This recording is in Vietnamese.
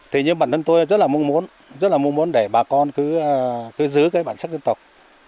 tuy nhiên bản thân tôi rất mong muốn để bà con cứ giữ bản sắc dân tộc